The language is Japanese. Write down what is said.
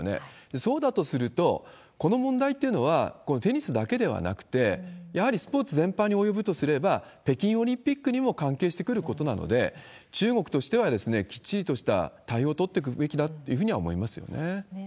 そうだとすると、この問題っていうのは、テニスだけではなくて、やはりスポーツ全般に及ぶとすれば、北京オリンピックにも関係してくることなので、中国としてはきっちりとした対応取ってくべきだというふうには思そうですね。